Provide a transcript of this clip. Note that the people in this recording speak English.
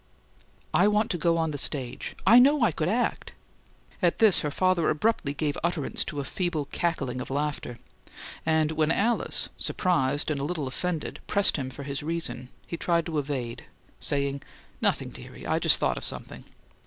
"I want to go on the stage: I know I could act." At this, her father abruptly gave utterance to a feeble cackling of laughter; and when Alice, surprised and a little offended, pressed him for his reason, he tried to evade, saying, "Nothing, dearie. I just thought of something."